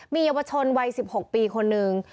มีเยาวชนวัย๑๖ปีคนนึง